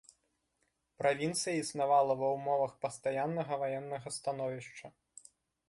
Правінцыя існавала ва ўмовах пастаяннага ваеннага становішча.